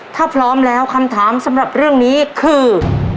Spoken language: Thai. ถ้าพร้อมแล้วคำถามสำหรับเรื่องนี้คือ